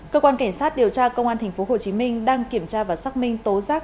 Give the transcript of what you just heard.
cơ quan cảnh sát điều tra công an tp hcm đang kiểm tra và xác minh tố giác